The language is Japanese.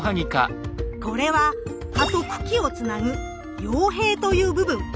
これは葉と茎をつなぐ葉柄という部分。